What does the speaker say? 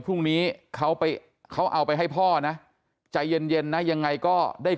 พรุ่งนี้เขาไปเขาเอาไปให้พ่อนะใจเย็นนะยังไงก็ได้